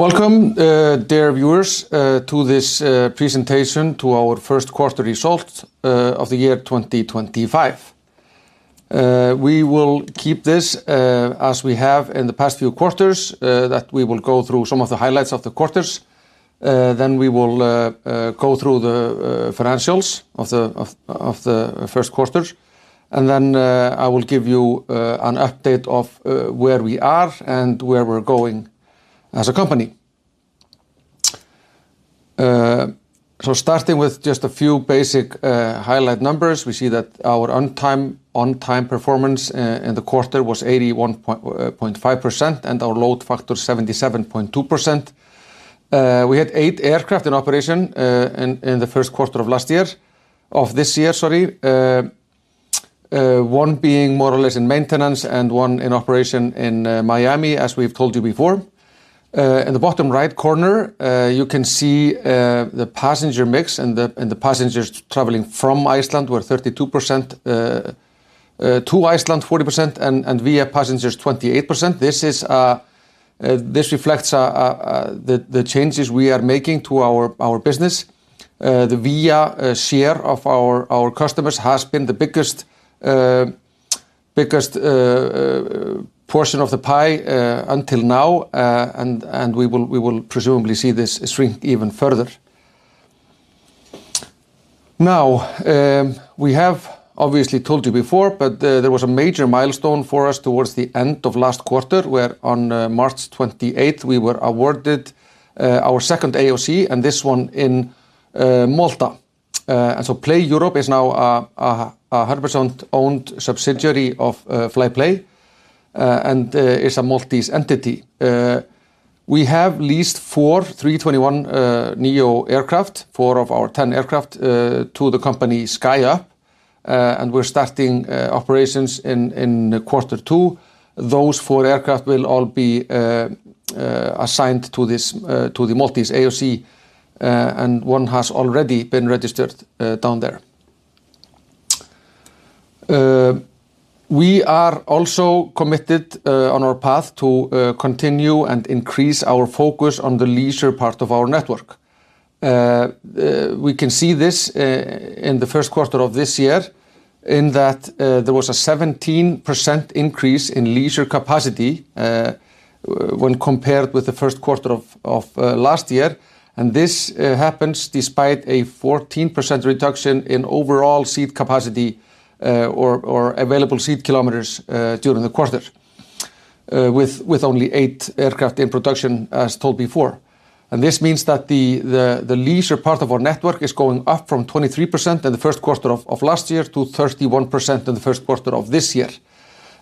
Welcome, dear viewers, to this Presentation to our First Quarter Result of the Year 2025. We will keep this as we have in the past few quarters, that we will go through some of the highlights of the quarters. We will go through the financials of the first quarter. I will give you an update of where we are and where we're going as a company. Starting with just a few basic highlight numbers, we see that our on-time performance in the quarter was 81.5% and our load factor 77.2%. We had eight aircraft in operation in the first quarter of last year, of this year, sorry, one being more or less in maintenance and one in operation in Miami, as we've told you before. In the bottom right corner, you can see the passenger mix and the passengers traveling from Iceland were 32%, to Iceland 40%, and via passengers 28%. This reflects the changes we are making to our business. The via share of our customers has been the biggest portion of the pie until now, and we will presumably see this shrink even further. Now, we have obviously told you before, but there was a major milestone for us towards the end of last quarter, where on March 28, we were awarded our second AOC, and this one in Malta. Play Europe is now a 100% owned subsidiary of Fly Play and is a some of these entity. We have leased four 321 neo aircraft, four of our 10 aircraft, to the company SkyUp, and we're starting operations in quarter two. Those four aircraft will all be assigned to the Maltese AOC, and one has already been registered down there. We are also committed on our path to continue and increase our focus on the leisure part of our network. We can see this in the first quarter of this year in that there was a 17% increase in leisure capacity when compared with the first quarter of last year. This happens despite a 14% reduction in overall seat capacity or available seat kilometers during the quarter, with only eight aircraft in production, as told before. This means that the leisure part of our network is going up from 23% in the first quarter of last year to 31% in the first quarter of this year.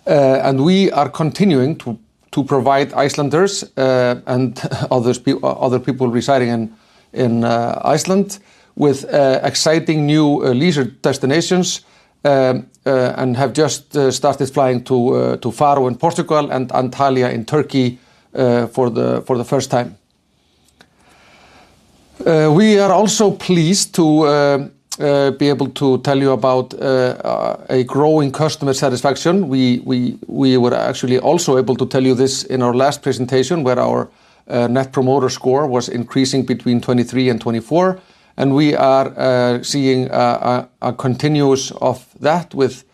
We are continuing to provide Icelanders and other people residing in Iceland with exciting new leisure destinations and have just started flying to Faro in Portugal and Antalya in Turkey for the first time. We are also pleased to be able to tell you about a growing customer satisfaction. We were actually also able to tell you this in our last presentation, where our net promoter score was increasing between 23 and 24. We are seeing a continuous of that with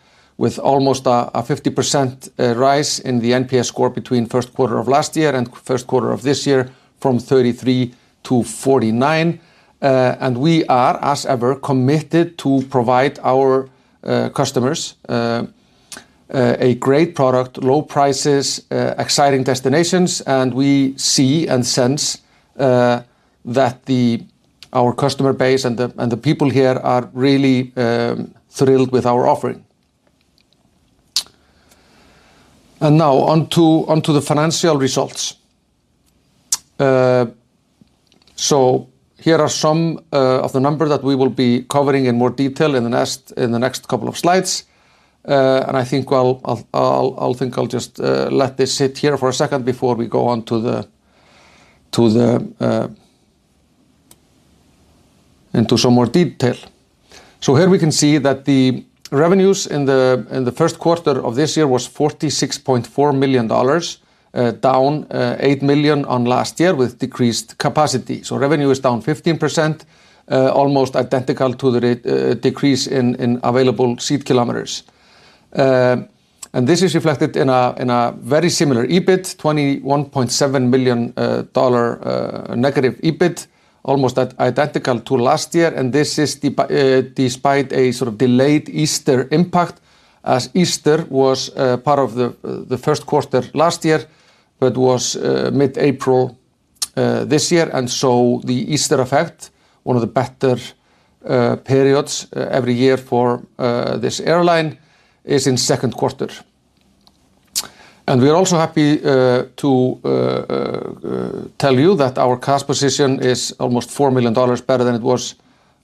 almost a 50% rise in the NPS score between first quarter of last year and first quarter of this year from 33 to 49. We are, as ever, committed to provide our customers a great product, low prices, exciting destinations. We see and sense that our customer base and the people here are really thrilled with our offering. Now onto the financial results. Here are some of the numbers that we will be covering in more detail in the next couple of slides. I think I'll just let this sit here for a second before we go on to some more detail. Here we can see that the revenues in the first quarter of this year was $46.4 million, down $8 million on last year with decreased capacity. Revenue is down 15%, almost identical to the decrease in available seat kilometers. This is reflected in a very similar EBIT, $21.7 million negative EBIT, almost identical to last year. This is despite a sort of delayed Easter impact, as Easter was part of the first quarter last year, but was mid-April this year. The Easter effect, one of the better periods every year for this airline, is in second quarter. We are also happy to tell you that our cost position is almost $4 million better than it was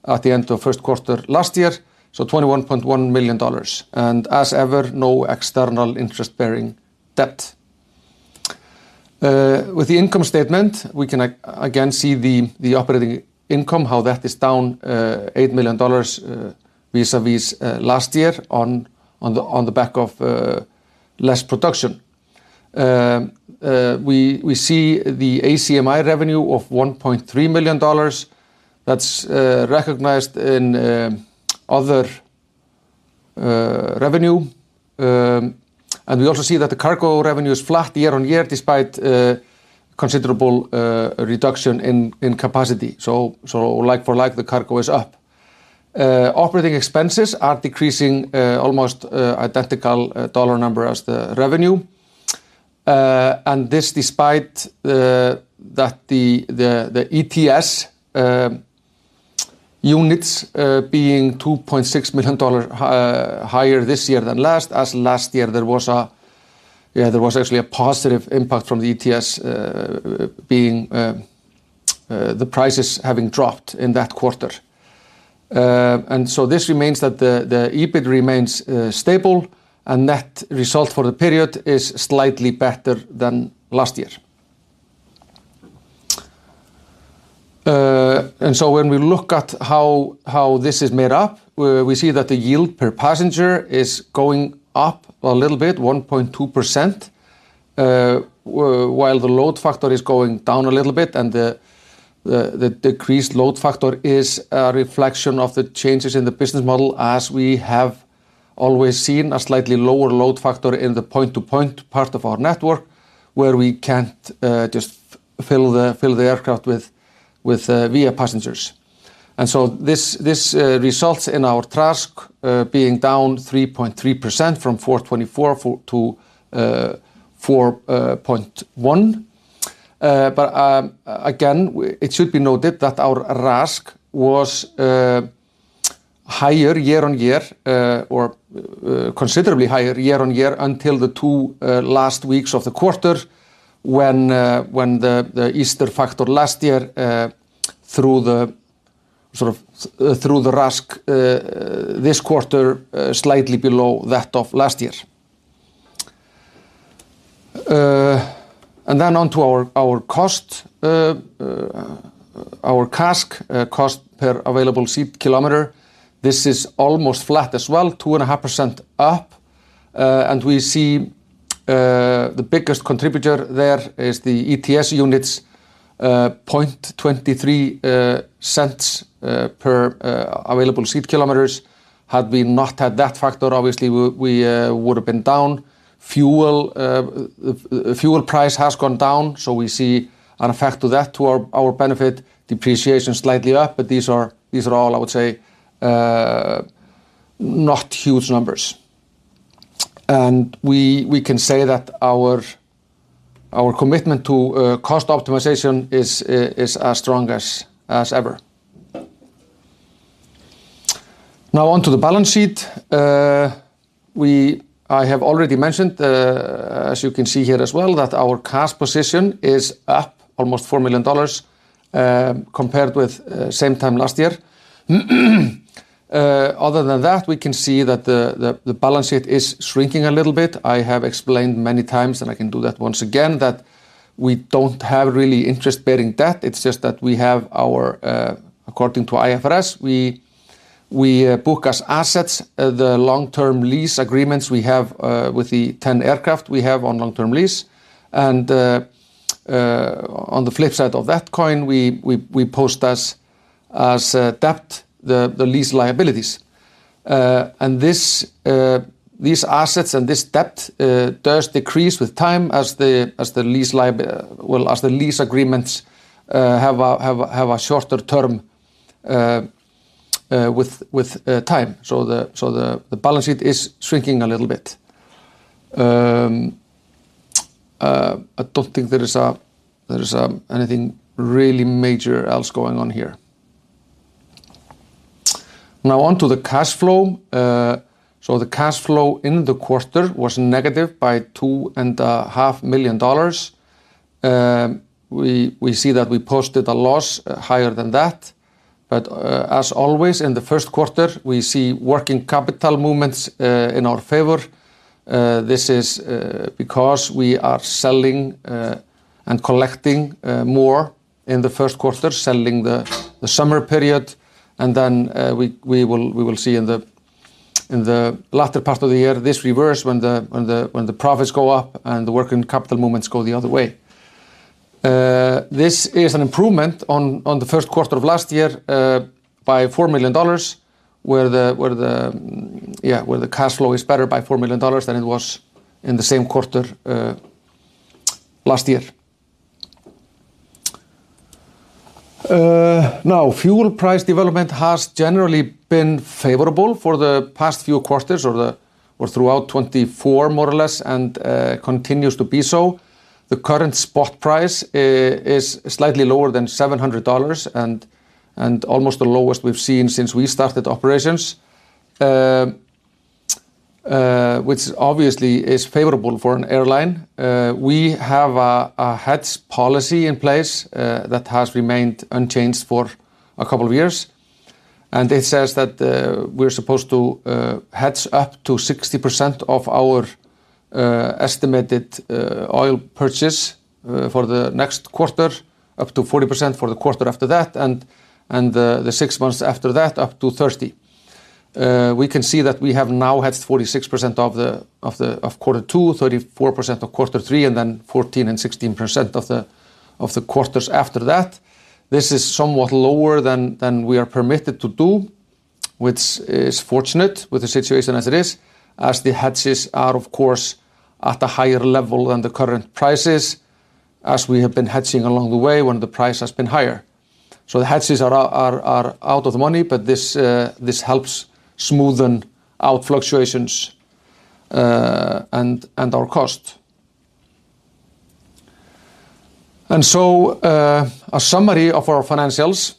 at the end of first quarter last year, so $21.1 million. As ever, no external interest-bearing debt. With the income statement, we can again see the operating income, how that is down $8 million vis-à-vis last year on the back of less production. We see the ACMI revenue of $1.3 million. That is recognized in other revenue. We also see that the cargo revenue is flat year-on-year, despite considerable reduction in capacity. Like for like, the cargo is up. Operating expenses are decreasing almost identical dollar number as the revenue. This is despite the ETS units being $2.6 million higher this year than last, as last year there was actually a positive impact from the ETS, the prices having dropped in that quarter. This remains that the EBIT remains stable and net result for the period is slightly better than last year. When we look at how this is made up, we see that the yield per passenger is going up a little bit, 1.2%, while the load factor is going down a little bit. The decreased load factor is a reflection of the changes in the business model, as we have always seen a slightly lower load factor in the point-to-point part of our network, where we can't just fill the aircraft via passengers. This results in our RASK being down 3.3% from 4.24 to 4.1. It should be noted that our RASK was higher year-on-year, or considerably higher year-on-year until the two last weeks of the quarter, when the Easter factor last year threw the RASK this quarter slightly below that of last year. Onto our cost, our CASK, cost per available seat kilometer, this is almost flat as well, 2.5% up. We see the biggest contributor there is the ETS units, 0.23 cents per available seat kilometer. Had we not had that factor, obviously we would have been down. Fuel price has gone down, so we see an effect to that to our benefit, depreciation slightly up, but these are all, I would say, not huge numbers. We can say that our commitment to cost optimization is as strong as ever. Now onto the balance sheet. I have already mentioned, as you can see here as well, that our CASK position is up almost $4 million compared with same time last year. Other than that, we can see that the balance sheet is shrinking a little bit. I have explained many times, and I can do that once again, that we don't have really interest-bearing debt. It's just that we have our, according to IFRS, we book as assets the long-term lease agreements we have with the 10 aircraft we have on long-term lease. On the flip side of that coin, we post as debt the lease liabilities. These assets and this debt does decrease with time as the lease agreements have a shorter term with time. The balance sheet is shrinking a little bit. I don't think there is anything really major else going on here. Now onto the cash flow. The cash flow in the quarter was negative by $2.5 million. We see that we posted a loss higher than that. As always, in the first quarter, we see working capital movements in our favor. This is because we are selling and collecting more in the first quarter, selling the summer period. We will see in the latter part of the year this reverse when the profits go up and the working capital movements go the other way. This is an improvement on the first quarter of last year by $4 million, where the cash flow is better by $4 million than it was in the same quarter last year. Now, fuel price development has generally been favorable for the past few quarters or throughout 2024, more or less, and continues to be so. The current spot price is slightly lower than $700 and almost the lowest we've seen since we started operations, which obviously is favorable for an airline. We have a hedge policy in place that has remained unchanged for a couple of years. It says that we're supposed to hedge up to 60% of our estimated oil purchase for the next quarter, up to 40% for the quarter after that, and the six months after that, up to 30%. We can see that we have now hedged 46% of quarter two, 34% of quarter three, and then 14% and 16% of the quarters after that. This is somewhat lower than we are permitted to do, which is fortunate with the situation as it is, as the hedges are, of course, at a higher level than the current prices, as we have been hedging along the way when the price has been higher. The hedges are out of the money, but this helps smoothen out fluctuations and our cost. A summary of our financials,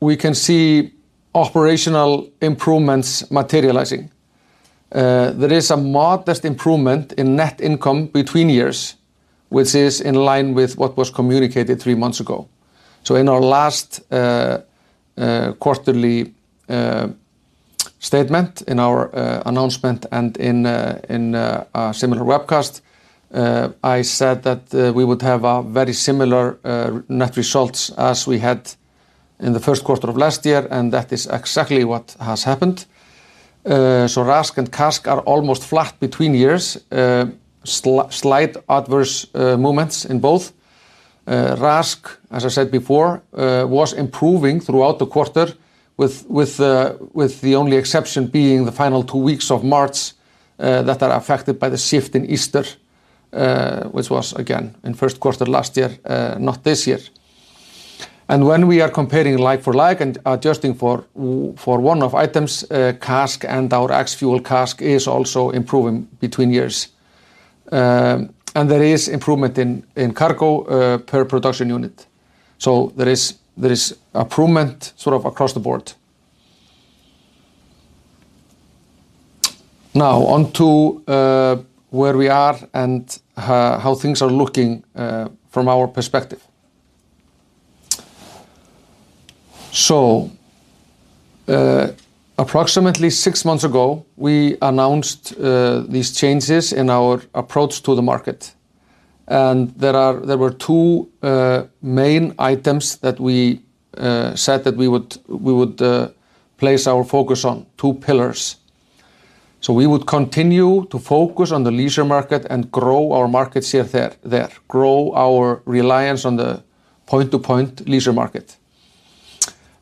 we can see operational improvements materializing. There is a modest improvement in net income between years, which is in line with what was communicated three months ago. In our last quarterly statement, in our announcement and in a similar webcast, I said that we would have very similar net results as we had in the first quarter of last year, and that is exactly what has happened. RASK and CASK are almost flat between years, slight adverse movements in both. RASK, as I said before, was improving throughout the quarter, with the only exception being the final two weeks of March that are affected by the shift in Easter, which was, again, in first quarter last year, not this year. When we are comparing like for like and adjusting for one-off items, CASK and our ex-fuel CASK is also improving between years. There is improvement in cargo per production unit. There is improvement sort of across the board. Now onto where we are and how things are looking from our perspective. Approximately six months ago, we announced these changes in our approach to the market. There were two main items that we said that we would place our focus on, two pillars. We would continue to focus on the leisure market and grow our markets here, grow our reliance on the point-to-point leisure market.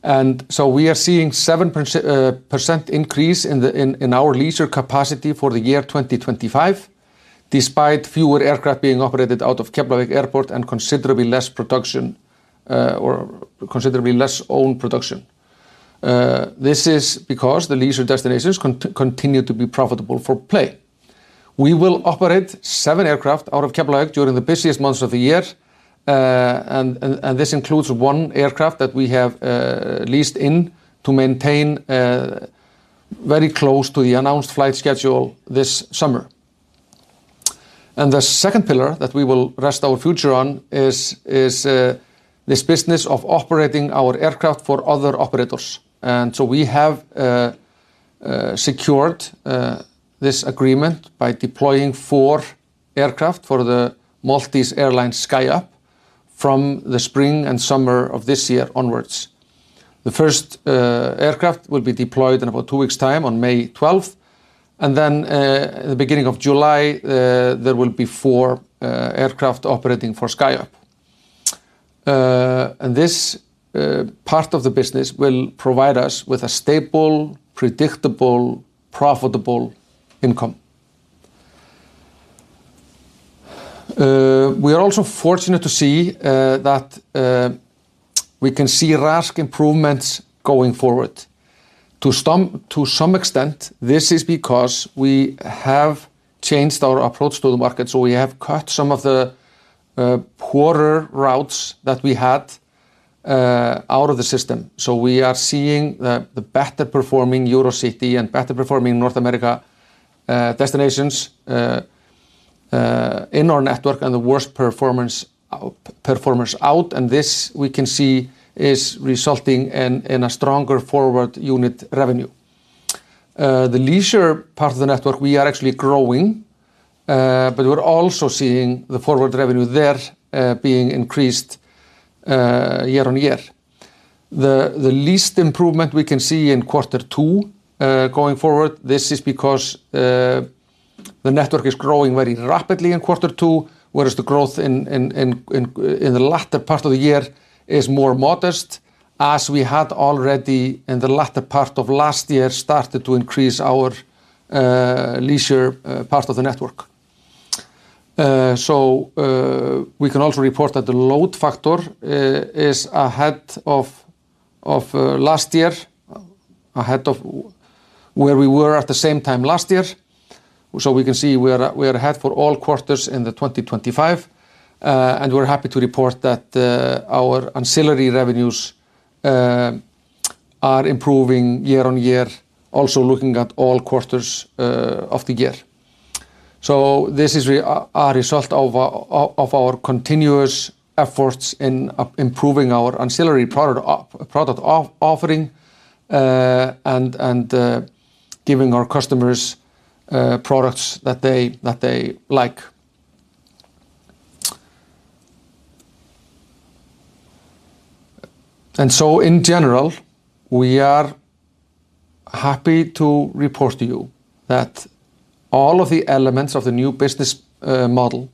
We are seeing a 7% increase in our leisure capacity for the year 2025, despite fewer aircraft being operated out of Keflavik Airport and considerably less owned production. This is because the leisure destinations continue to be profitable for Play. We will operate seven aircraft out of Keflavik during the busiest months of the year. This includes one aircraft that we have leased in to maintain very close to the announced flight schedule this summer. The second pillar that we will rest our future on is this business of operating our aircraft for other operators. We have secured this agreement by deploying four aircraft for the Maltese airline SkyUp from the spring and summer of this year onwards. The first aircraft will be deployed in about two weeks' time on May 12th. At the beginning of July, there will be four aircraft operating for SkyUp. This part of the business will provide us with a stable, predictable, profitable income. We are also fortunate to see that we can see RASK improvements going forward. To some extent, this is because we have changed our approach to the market. We have cut some of the poorer routes that we had out of the system. We are seeing the better performing EuroCity and better performing North America destinations in our network and the worst performance out. This, we can see, is resulting in a stronger forward unit revenue. The leisure part of the network, we are actually growing, but we're also seeing the forward revenue there being increased year-on-year. The least improvement we can see in quarter two going forward, this is because the network is growing very rapidly in quarter two, whereas the growth in the latter part of the year is more modest, as we had already in the latter part of last year started to increase our leisure part of the network. We can also report that the load factor is ahead of last year, ahead of where we were at the same time last year. We can see we are ahead for all quarters in 2025. We are happy to report that our ancillary revenues are improving year-on-year, also looking at all quarters of the year. This is a result of our continuous efforts in improving our ancillary product offering and giving our customers products that they like. In general, we are happy to report to you that all of the elements of the new business model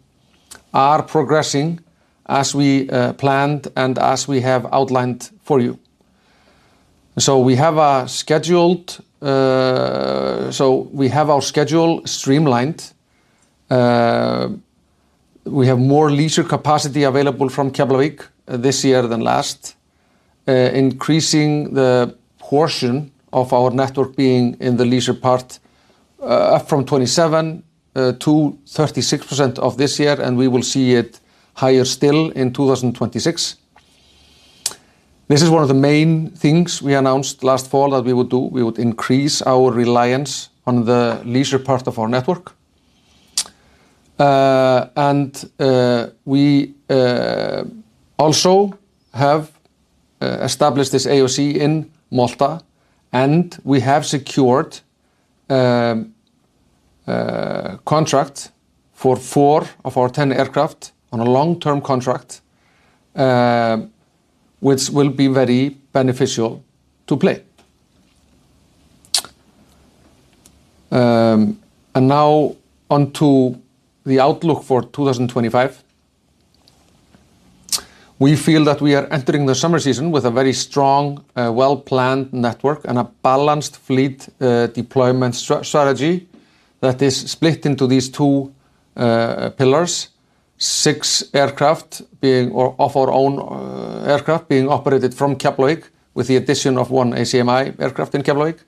are progressing as we planned and as we have outlined for you. We have our schedule streamlined. We have more leisure capacity available from Keflavik this year than last, increasing the portion of our network being in the leisure part from 27% to 36% this year, and we will see it higher still in 2026. This is one of the main things we announced last fall that we would do. We would increase our reliance on the leisure part of our network. We also have established this AOC in Malta, and we have secured a contract for four of our 10 aircraft on a long-term contract, which will be very beneficial to Play. Now onto the outlook for 2025. We feel that we are entering the summer season with a very strong, well-planned network and a balanced fleet deployment strategy that is split into these two pillars, six aircraft of our own aircraft being operated from Keflavik with the addition of one ACMI aircraft in Keflavik,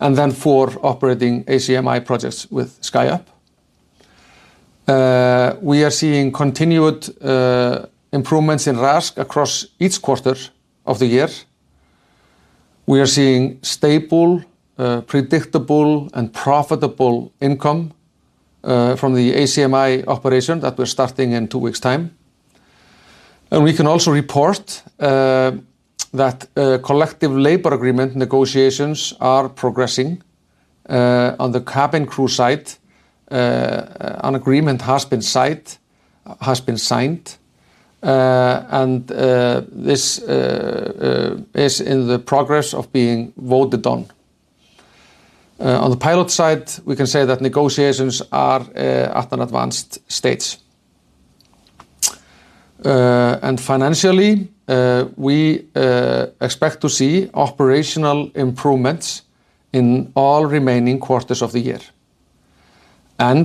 and then four operating ACMI projects with SkyUp. We are seeing continued improvements in RASK across each quarter of the year. We are seeing stable, predictable, and profitable income from the ACMI operation that we're starting in two weeks' time. We can also report that collective labor agreement negotiations are progressing on the cabin crew side. An agreement has been signed, and this is in the progress of being voted on. On the pilot side, we can say that negotiations are at an advanced stage. Financially, we expect to see operational improvements in all remaining quarters of the year.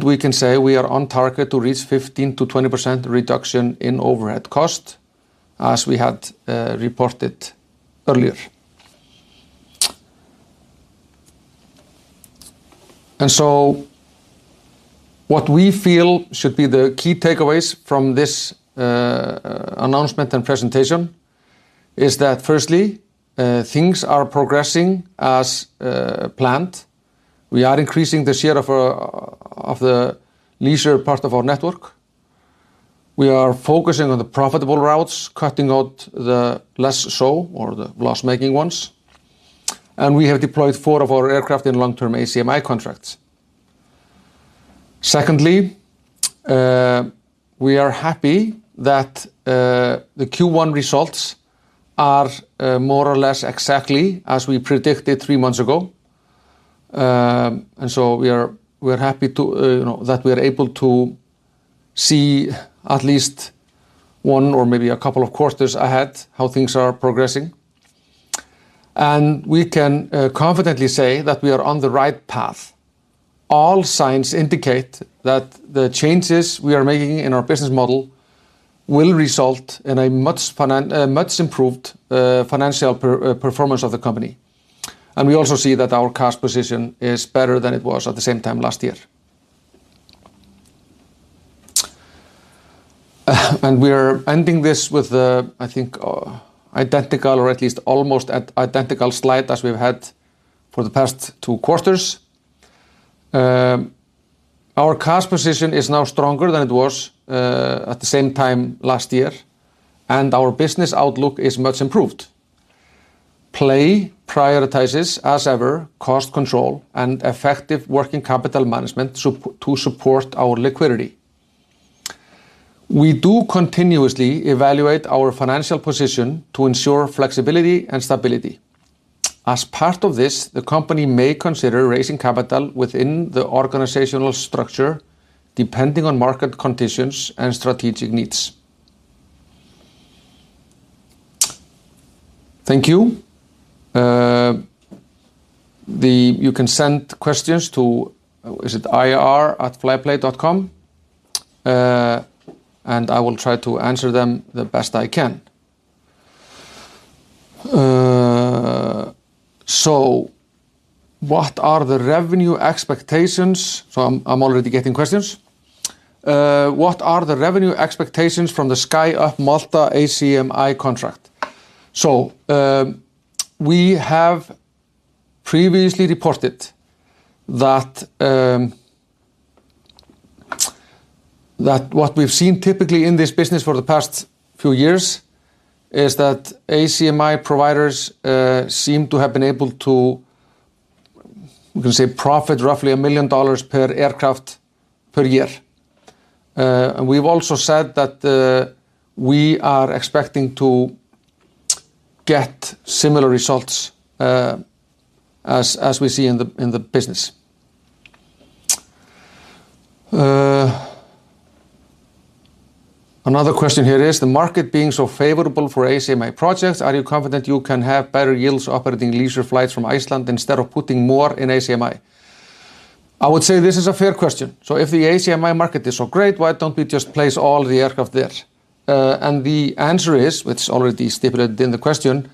We can say we are on target to reach 15% to 20% reduction in overhead cost, as we had reported earlier. What we feel should be the key takeaways from this announcement and presentation is that, firstly, things are progressing as planned. We are increasing the share of the leisure part of our network. We are focusing on the profitable routes, cutting out the less so or the loss-making ones. We have deployed four of our aircraft in long-term ACMI contracts. Secondly, we are happy that the Q1 results are more or less exactly as we predicted three months ago. We are happy that we are able to see at least one or maybe a couple of quarters ahead how things are progressing. We can confidently say that we are on the right path. All signs indicate that the changes we are making in our business model will result in a much improved financial performance of the company. We also see that our CASK position is better than it was at the same time last year. We are ending this with, I think, identical or at least almost identical slide as we've had for the past two quarters. Our CASK position is now stronger than it was at the same time last year, and our business outlook is much improved. Play prioritizes, as ever, cost control and effective working capital management to support our liquidity. We do continuously evaluate our financial position to ensure flexibility and stability. As part of this, the company may consider raising capital within the organizational structure depending on market conditions and strategic needs. Thank you. You can send questions to ir@flyplay.com, and I will try to answer them the best I can. What are the revenue expectations? I'm already getting questions. What are the revenue expectations from the SkyUp Malta ACMI contract? We have previously reported that what we've seen typically in this business for the past few years is that ACMI providers seem to have been able to, we can say, profit roughly $1 million per aircraft per year. We've also said that we are expecting to get similar results as we see in the business. Another question here is, the market being so favorable for ACMI projects, are you confident you can have better yields operating leisure flights from Iceland instead of putting more in ACMI? I would say this is a fair question. If the ACMI market is so great, why don't we just place all the aircraft there? The answer is, which is already stipulated in the question,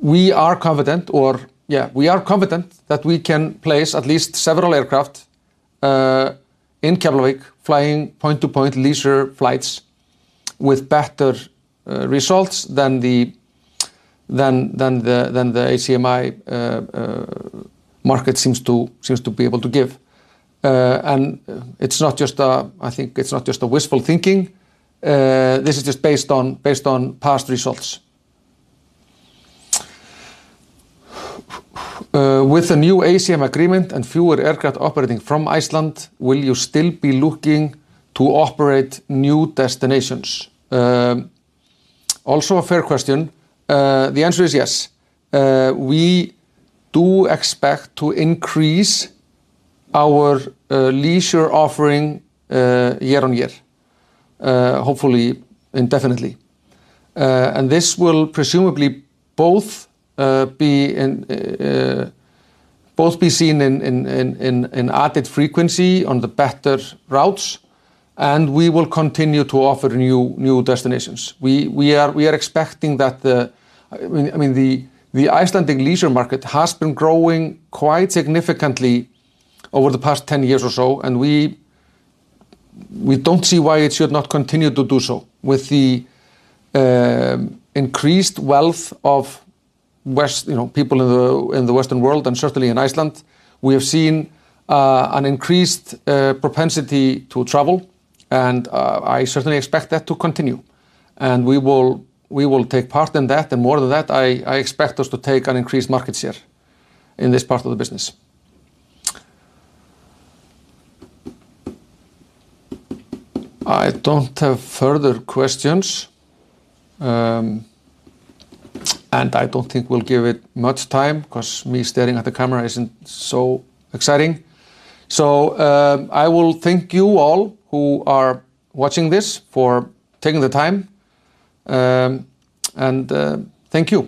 we are confident, or yeah, we are confident that we can place at least several aircraft in Keflavik flying point-to-point leisure flights with better results than the ACMI market seems to be able to give. It's not just a, I think it's not just wishful thinking. This is just based on past results. With a new ACMI agreement and fewer aircraft operating from Iceland, will you still be looking to operate new destinations? Also a fair question. The answer is yes. We do expect to increase our leisure offering year-on-year, hopefully indefinitely. This will presumably both be seen in added frequency on the better routes, and we will continue to offer new destinations. We are expecting that, I mean, the Icelandic leisure market has been growing quite significantly over the past 10 years or so, and we do not see why it should not continue to do so. With the increased wealth of people in the Western world and certainly in Iceland, we have seen an increased propensity to travel, and I certainly expect that to continue. We will take part in that, and more than that, I expect us to take an increased market share in this part of the business. I do not have further questions, and I do not think we will give it much time because me staring at the camera is not so exciting. I thank you all who are watching this for taking the time, and thank you.